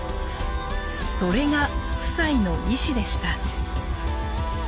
それが夫妻の遺志でした。